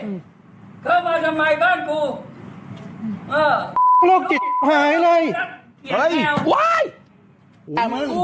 ทำไมอ่ะแม่เจ้าของแหมล์ทำไมทำไมไม่มีแมว